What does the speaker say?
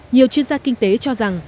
nhiều chuyên gia kinh tế cho rằng